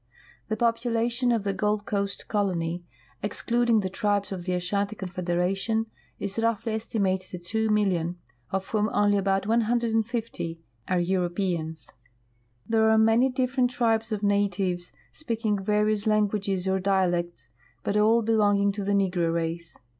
The population of the Gold Coast colony, excluding the tribes of the Ashanti confederation, is roughly estimated at 2,000,000, of whom only about 150 are Europeans. There are many dif ferent tribes of natives, speaking various languages or dialects, but all belonging to the negro race.